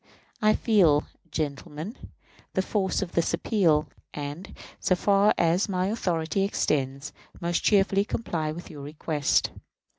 I feel, gentlemen, the force of this appeal, and, so far as my authority extends, most cheerfully comply with your request.